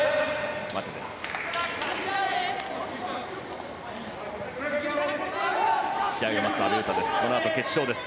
待てです。